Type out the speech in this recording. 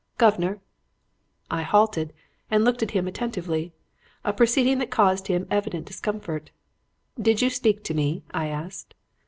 "'Guv'nor.' "I halted and looked at him attentively; a proceeding that caused him evident discomfort. 'Did you speak to me?' I asked.